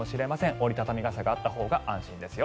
折り畳み傘があったほうが安心ですよ。